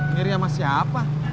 ngiri sama siapa